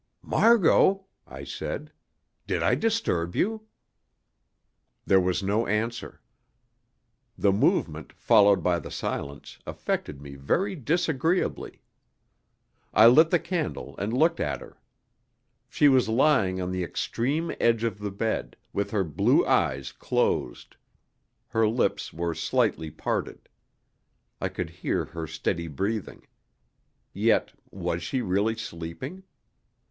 "Margot," I said, "did I disturb you?" There was no answer. The movement, followed by the silence, affected me very disagreeably. I lit the candle and looked at her. She was lying on the extreme edge of the bed, with her blue eyes closed. Her lips were slightly parted. I could hear her steady breathing. Yet was she really sleeping?